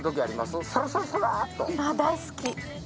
あ大好き。